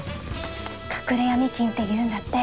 隠れヤミ金って言うんだって。